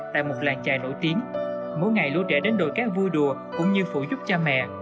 tại một làng trài nổi tiếng mỗi ngày lũ trẻ đến đồi cát vui đùa cũng như phụ giúp cha mẹ